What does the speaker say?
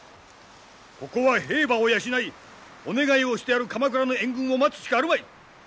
ここは兵馬を養いお願いをしてある鎌倉の援軍を待つしかあるまい。